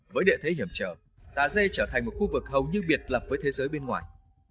với địa thế hiểm trở tà dê trở thành một khu vực hầu như biệt lập với thế giới bên ngoài